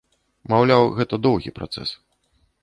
Маўляў, гэта доўгі працэс.